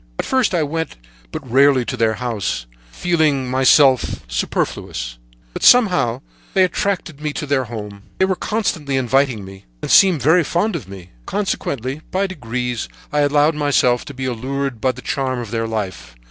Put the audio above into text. At first I went but rarely to their house, feeling myself de trop. But, somehow, they attracted me to their home; they were constantly inviting me, and seemed very fond of me. Consequently, by degrees, I allowed myself to be allured by the charm of their life.